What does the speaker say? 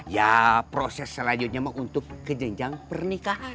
ya proses selanjutnya untuk kejenjang pernikahan